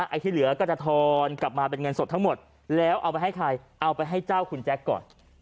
ไอ้ที่เหลือก็จะทอนกลับมาเป็นเงินสดทั้งหมดแล้วเอาไปให้ใครเอาไปให้เจ้าคุณแจ๊คก่อน